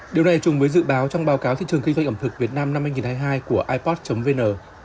điều này chung với dự báo trong báo cáo thị trường kinh doanh ẩm thực việt nam năm hai nghìn hai mươi hai của ipod vn